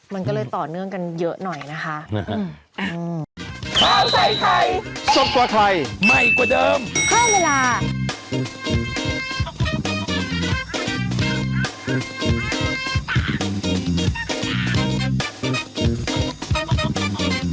มันก็เลยต่อเนื่องกันเยอะหน่อยนะคะ